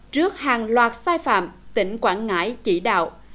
trước hàng loạt sai phạm tỉnh quảng ngãi chỉ đạo